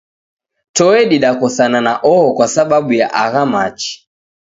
Toe didakosana na oho kwasababu ya agha machi